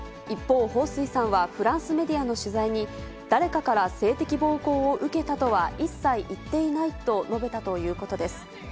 一方、彭帥さんはフランスメディアの取材に、誰かから性的暴行を受けたとは一切言っていないと述べたということです。